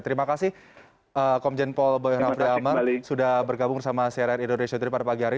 terima kasih komjen paul boyan afri amar sudah bergabung dengan crn indonesia tiga pada pagi hari